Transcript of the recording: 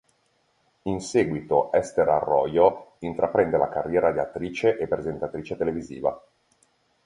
In seguito Esther Arroyo intraprende la carriera di attrice e presentatrice televisiva.